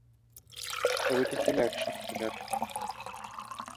ছবিটি ছিল action thriller.